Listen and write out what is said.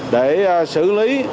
để xử lý